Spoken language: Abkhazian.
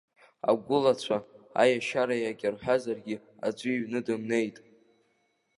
Агәылацәа, аиашьара иагьа рҳәазаргьы аӡәы иҩны дымнеит.